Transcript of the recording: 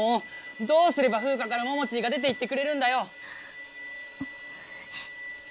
どうすればフウカからモモチーが出ていってくれるんだよ！